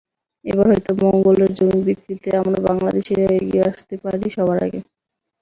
এবার হয়তো মঙ্গলের জমি বিক্রিতে আমরা বাংলাদেশিরা এগিয়ে আসতে পারি সবার আগে।